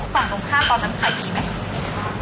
ฝั่งตรงข้ามตอนนั้นขายดีไหม